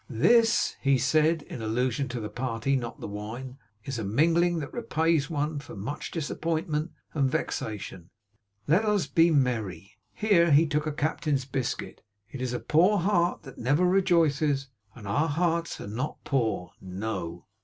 'This,' he said, in allusion to the party, not the wine, 'is a mingling that repays one for much disappointment and vexation. Let us be merry.' Here he took a captain's biscuit. 'It is a poor heart that never rejoices; and our hearts are not poor. No!